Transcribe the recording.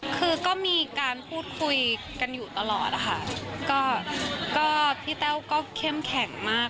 คือก็มีการพูดคุยกันอยู่ตลอดอะค่ะก็พี่แต้วก็เข้มแข็งมาก